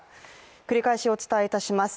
繰り返しお伝えいたします。